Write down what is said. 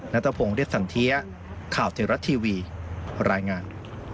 นัทพงศ์เรียสันเทียข่าวเทวรัฐทีวีรายงาน